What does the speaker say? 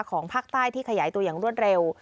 ของภาคใต้ที่ขยายตัวอย่างรวดเร็ว